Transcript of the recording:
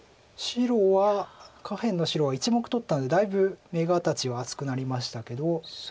下辺の白は１目取ったんでだいぶ眼形は厚くなりましたけど。